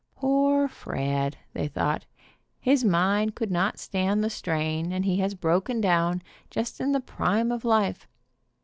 "Poor Fred," they thought, "his mind could not stand the strain, and he has broken down, just in the prime of life."